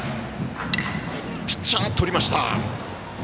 ピッチャーとりました。